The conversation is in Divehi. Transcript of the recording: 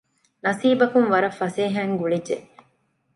ނަސީބަކުން ވަރަށް ފަސޭހައިން ގުޅިއްޖެ